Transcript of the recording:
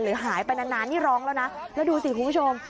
หายไปนานนี่ร้องแล้วนะแล้วดูสิคุณผู้ชม